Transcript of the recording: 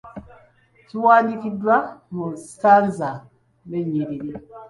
Kiwandiikibwa mu sitanza n'ennyiriri.